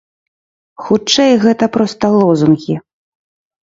Хутчэй гэта проста лозунгі.